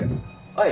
はい。